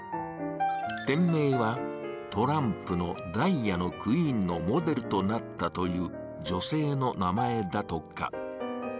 店名は、トランプのダイヤのクイーンのモデルとなったという女性の名前だとか。